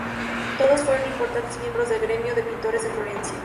Todos fueron importantes miembros del gremio de pintores de Florencia.